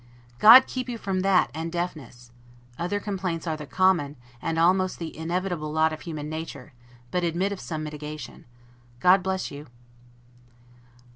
God keep you from that and deafness! Other complaints are the common, and almost the inevitable lot of human nature, but admit of some mitigation. God bless you!